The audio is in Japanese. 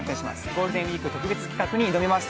ゴールデンウイーク特別企画に挑みます。